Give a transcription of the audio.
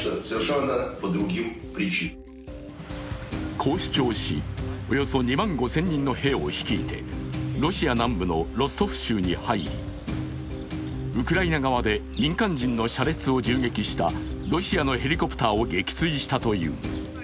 こう主張し、およそ２万５０００人の兵を率いてロシア南部のロストフ州に入り、ウクライナ側で民間人の車列を銃撃したロシアのヘリコプターを撃墜したという。